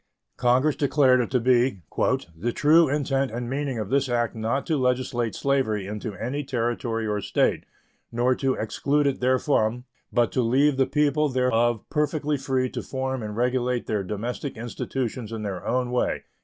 Congress declared it to be "the true intent and meaning of this act not to legislate slavery into any Territory or State, nor to exclude it therefrom, but to leave the people thereof perfectly free to form and regulate their domestic institutions in their own way."